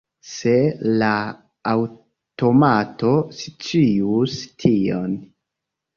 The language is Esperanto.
Se la aŭtomato scius tion!